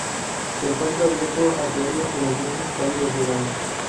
Se encuentra abierto a diario en los meses cálidos del año.